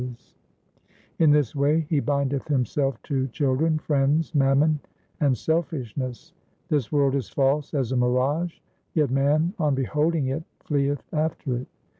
394 THE SIKH RELIGION In this way he bindeth himself to children, friends, mammon, and selfishness. This world is false as a mirage, yet man on beholding it fteeth after it.